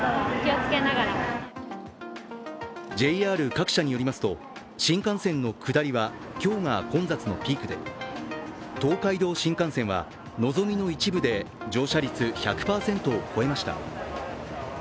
ＪＲ各社によりますと新幹線の下りは今日が混雑のピークで東海道新幹線はのぞみの一部で乗車率１００％を超えました。